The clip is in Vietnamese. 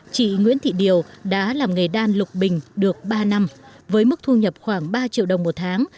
chị nguyễn thị điều đã làm nghề đan lục bình được ba năm với mức thu nhập khoảng ba triệu đồng một tháng